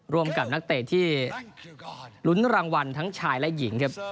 ร่วมกับนักเตะที่ลุ้นรางวัลทั้งชายและหญิงครับ